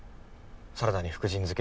サラダに福神漬